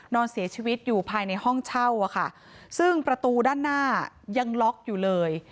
นอนเสียชีวิตอยู่ภายในห้องเช่าอะค่ะซึ่งประตูด้านหน้ายังล็อกอยู่เลย